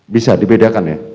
bisa dibedakan ya